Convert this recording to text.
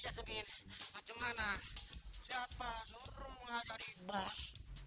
ngapain macemana siapa suruh ngga jadi bos